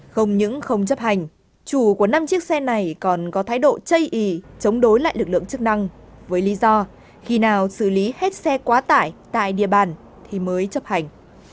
không những không chấp hành chủ của năm chiếc xe này còn có thái độ chây ý chống đối lại lực lượng chức năng với lý do khi nào xử lý hết xe quá tải tại địa bàn thì mới chấp hành